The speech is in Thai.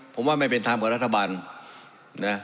ผมว่าไม่เป็นธรรมกับรัฐบาลนะ